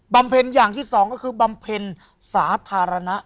เพ็ญอย่างที่สองก็คือบำเพ็ญสาธารณะ